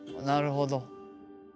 なるほど。